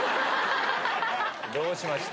どうしました？